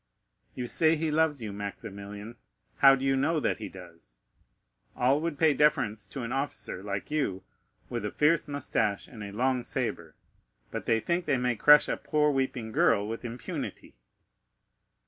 You say he loves you, Maximilian; how do you know that he does? All would pay deference to an officer like you, with a fierce moustache and a long sabre, but they think they may crush a poor weeping girl with impunity."